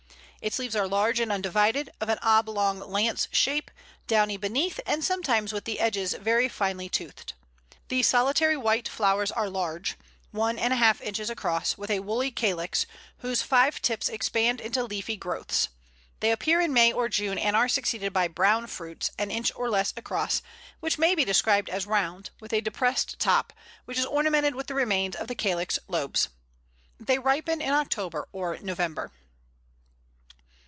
Its leaves are large and undivided, of an oblong lance shape, downy beneath, and sometimes with the edges very finely toothed. The solitary white flowers are large one and a half inches across with a woolly calyx, whose five tips expand into leafy growths. They appear in May or June, and are succeeded by brown fruits, an inch or less across, which may be described as round, with a depressed top, which is ornamented with the remains of the calyx lobes. They ripen in October or November.